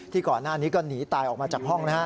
ที่ก่อนหน้านี้ก็หนีตายออกมาจากห้อง